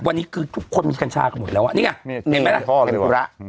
วันนี้คือทุกคนมีกัญชากันหมดแล้วอ่ะนี่ไงเห็นไหมล่ะ